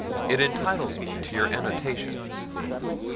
it intitles me to your annotations.